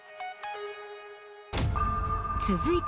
［続いて］